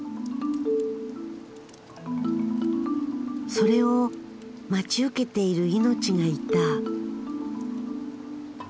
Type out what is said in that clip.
それを待ち受けている命がいた。